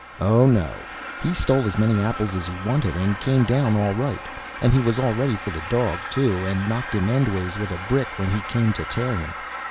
Oh, no; he stole as many apples as he wanted and came down all right; and he was all ready for the dog, too, and knocked him endways with a brick when he came to tear him.